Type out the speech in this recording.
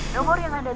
nomor yang ada tujuh